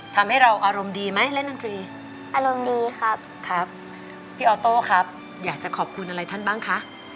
ทำให้เราอารมณ์ดีไหมเล่นดนตรีอารมณ์ดีครับครับพี่ออโต้ครับอยากจะขอบคุณอะไรท่านบ้างคะ